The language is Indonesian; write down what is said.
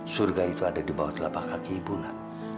surga itu ada di bawah telapak kaki ibu nak